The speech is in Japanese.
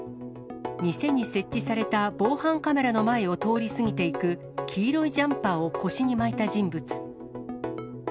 店に設置された防犯カメラの前を通り過ぎていく黄色いジャンパーを腰に巻いた人物。